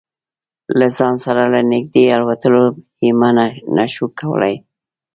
له ځان سره له نږدې الوتلو یې منع نه شو کولای.